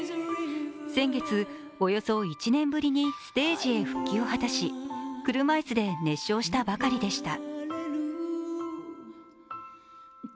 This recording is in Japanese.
先月、およそ１年ぶりにステージへ復帰を果たし、車椅子で熱唱したばかりでした。